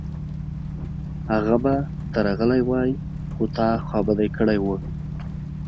هغه به درغلی وای، خو تا خوابدی کړی و